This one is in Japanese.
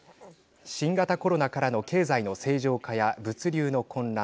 新型コロナからの経済の正常化や物流の混乱